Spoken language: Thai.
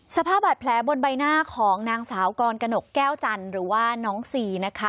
สภาพบาดแผลบนใบหน้าของนางสาวกรกนกแก้วจันทร์หรือว่าน้องซีนะคะ